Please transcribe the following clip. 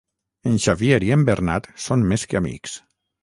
En Xavier i en Bernat són més que amics.